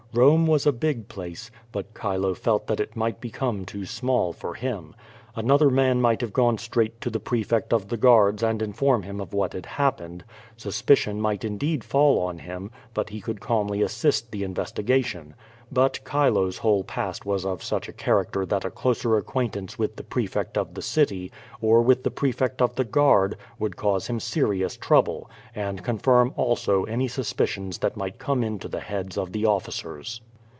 Rome was a big place, but Chilo felt that it might become too small for him. Another man nn'ght have gone straight to the prefect of the guards and inform him of what had happened. Suspicion might indeed fall on him, but he could calmly assist the inves tigation. But Chilo's whole past was of such a character that a closer acquaintance with the prefect of the city, or with the prefect of the guard, would cause him serious trouble, and confirm also any suspicions that might come into the heads of the officers.